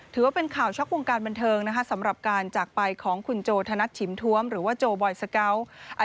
ถือว่าเป็นข่าวช็อกวงการบันเทิงนะคะสำหรับการจากไปของคุณโจธนัดฉิมทวมหรือว่าโจบอยสเกาะ